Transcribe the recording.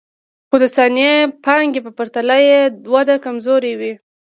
خو د ثابتې پانګې په پرتله یې وده کمزورې وي